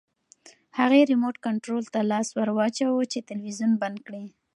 هغې ریموټ کنټرول ته لاس ورواچاوه چې تلویزیون بند کړي.